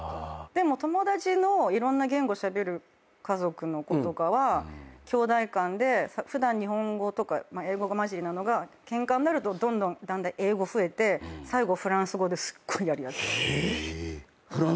でも友達のいろんな言語しゃべる家族の子とかはきょうだい間で普段日本語とか英語交じりなのがケンカになるとどんどん英語増えて最後フランス語ですっごいやり合ってる。